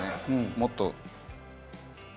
もっと。